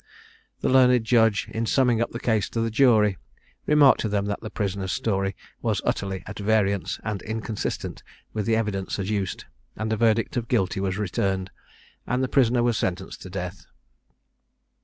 The learned judge, in summing up the case to the jury, remarked to them that the prisoner's story was utterly at variance and inconsistent with the evidence adduced; and a verdict of Guilty was returned, and the prisoner was sentenced to death.